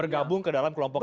bergabung ke dalam kelompok ini